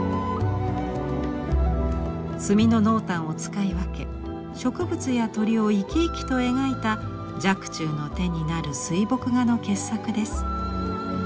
墨の濃淡を使い分け植物や鳥を生き生きと描いた若冲の手になる水墨画の傑作です。